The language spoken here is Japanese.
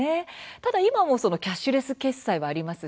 ただ今もキャッシュレス決済はあります。